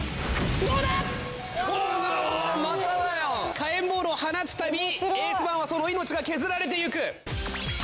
かえんボールを放つたびエースバーンはそのいのちが削られていく。と